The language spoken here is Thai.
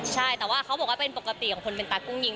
ใช่แต่ว่าเขาบอกว่าเป็นปกติของคนเป็นตากุ้งยิง